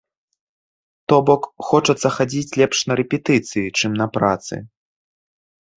То бок, хочацца хадзіць лепш на рэпетыцыі, чым на працы.